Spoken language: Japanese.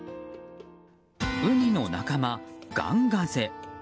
ウニの仲間、ガンガゼ。